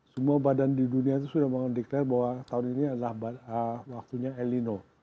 semua badan di dunia itu sudah mengadiklar bahwa tahun ini adalah waktunya elino